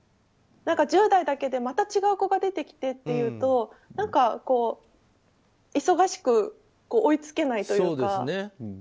１０代だけでまた違う子が出てきてというと何か忙しく追いつけないというか。